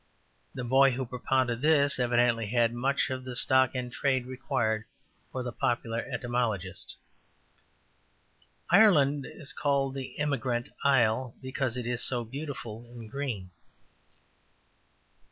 '' The boy who propounded this evidently had much of the stock in trade required for the popular etymologist. ``Ireland is called the Emigrant Isle because it is so beautiful and green.''